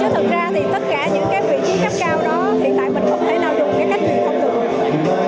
chứ thật ra thì tất cả những cái vị trí cấp cao đó hiện tại mình không thể nào dùng cái cách duyên phòng được